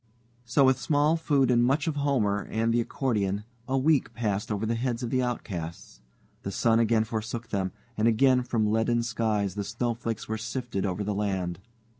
So with small food and much of Homer and the accordion, a week passed over the heads of the outcasts. The sun again forsook them, and again from leaden skies the snowflakes were sifted over the land.